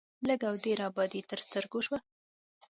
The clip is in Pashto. لږ او ډېره ابادي تر سترګو شوه.